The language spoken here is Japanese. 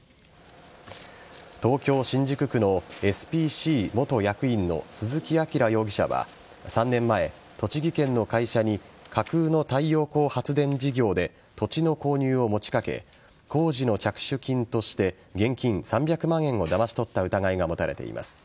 東京・新宿区のエスピーシー元役員の鈴木晃容疑者は３年前栃木県の会社に架空の太陽光発電事業で土地の購入を持ちかけ工事の着手金として現金３００万円をだまし取った疑いが持たれています。